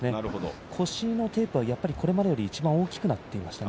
腰のテープはこれまでにいちばん大きくなっていました。